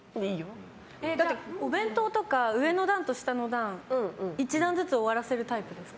お弁当とか上の段とか下の段１段ずつ終わらせるタイプですか？